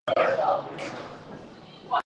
与氰化氢反应生成乙腈。